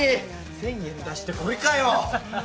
１０００円出してこれかよ！